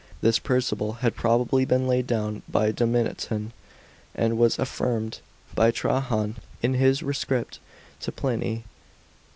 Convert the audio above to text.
This principle had probably been laid down by Domitian and was affirmed by Trajan in his rescript to Pliny.